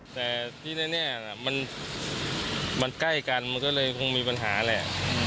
แต่ที่แน่มันใกล้กันมันก็เลยคงมีปัญหาแหละ